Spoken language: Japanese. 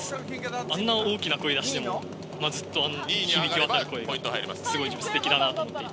あんな大きな声出しても、ずっと響き渡る声がすごいすてきだなと思っていて。